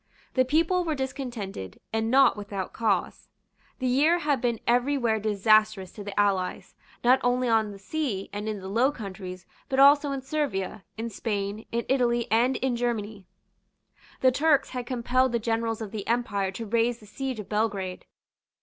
The people were discontented, and not without cause. The year had been every where disastrous to the allies, not only on the sea and in the Low Countries, but also in Servia, in Spain, in Italy, and in Germany. The Turks had compelled the generals of the Empire to raise the siege of Belgrade.